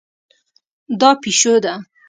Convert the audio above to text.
دا پیشو ده